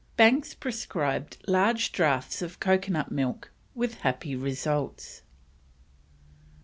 Banks prescribed large draughts of coconut milk, with happy results.